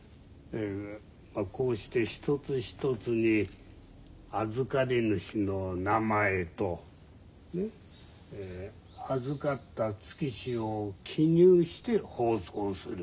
こうして一つ一つに預かり主の名前と預かった月日を記入して包装する。